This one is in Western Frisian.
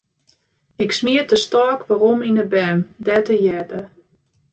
Ik smiet de stôk werom yn 'e berm, dêr't er hearde.